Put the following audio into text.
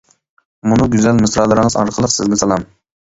مۇنۇ گۈزەل مىسرالىرىڭىز ئارقىلىق سىزگە سالام!